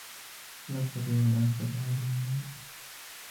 هل أستطيع أن آخذ هذهِ معي؟